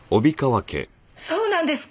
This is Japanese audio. そうなんですか！？